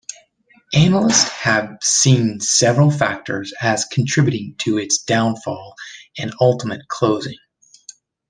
Analysts have seen several factors as contributing to its downfall and ultimate closing.